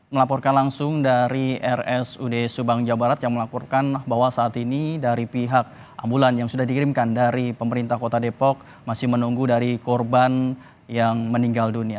melaporkan langsung dari rsud subang jawa barat yang melaporkan bahwa saat ini dari pihak ambulan yang sudah dikirimkan dari pemerintah kota depok masih menunggu dari korban yang meninggal dunia